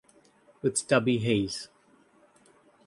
With Tubby Hayes